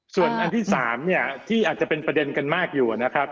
ส่วนอันที่๓เนี่ยที่อาจจะเป็นประเด็นกันมากอยู่นะครับ